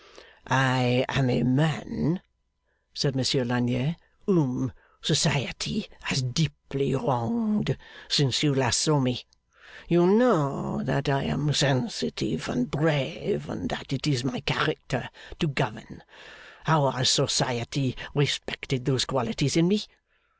'I am a man,' said Monsieur Lagnier, 'whom society has deeply wronged since you last saw me. You know that I am sensitive and brave, and that it is my character to govern. How has society respected those qualities in me?